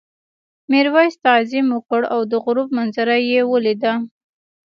میرويس تعظیم وکړ او د غروب منظره یې ولیده.